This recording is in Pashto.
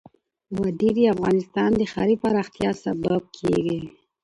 وادي د افغانستان د ښاري پراختیا سبب کېږي.